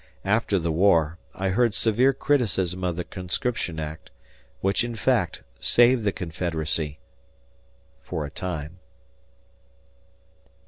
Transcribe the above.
After the war I heard severe criticism of the Conscription Act which, in fact, saved the Confederacy for a time.